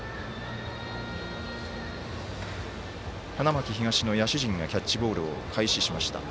花巻東の野手陣がキャッチボールを開始しました。